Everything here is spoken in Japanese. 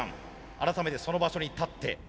改めてその場所に立って。